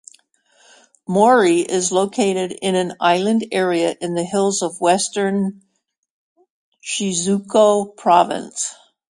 Mori is located in an inland area in the hills of western Shizuoka Prefecture.